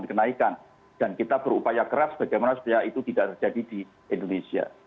dikenaikan dan kita berupaya keras bagaimana supaya itu tidak terjadi di indonesia